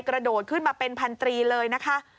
กระโดดขึ้นมาเป็นพันตรีเลยนะคะ